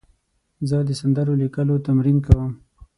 زه د سندرو لیکلو تمرین کوم.